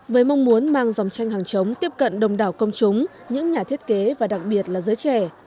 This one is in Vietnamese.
với mong muốn mang dòng tranh hàng chống tiếp cận đồng đảo công chúng những nhà thiết kế và đặc biệt là giới trẻ